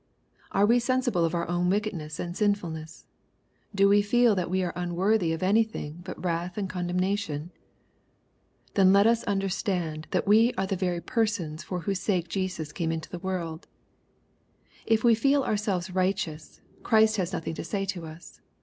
Are we sensible of our own wickedness and sinfulness ? Do we feel that we are unworthy of any thing but wrath and condemnation ? Then let us under stand that we are the very persons for whose sake Jesus came into the world. If we feel ourselves righteous, Christ has nothing to say to us.